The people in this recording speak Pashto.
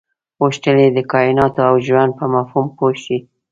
غوښتل یې د کایناتو او ژوند په مفهوم پوه شي.